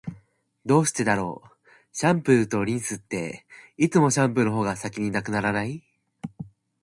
どうしてだろう、シャンプーとリンスって、いつもシャンプーの方が先に無くならない？